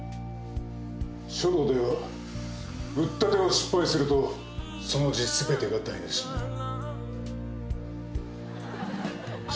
書道ではうったてを失敗するとその字全てが台無しになる。